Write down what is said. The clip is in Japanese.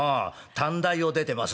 『短大を出てます』？